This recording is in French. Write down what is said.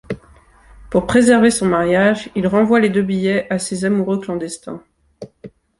Pour préserver son mariage, il renvoie les deux billets à ses amoureux clandestins.